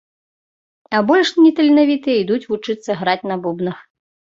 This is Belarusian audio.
А больш неталенавітыя ідуць вучыцца граць на бубнах.